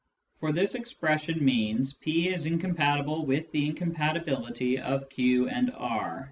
For this expression means " p is incompatible with the incom patibility of q and r," i.